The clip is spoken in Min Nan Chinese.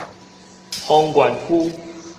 豐原區